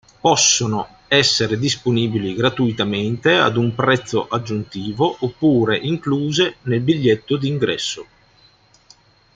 Possono essere disponibili gratuitamente, ad un prezzo aggiuntivo, oppure incluse nel biglietto d'ingresso.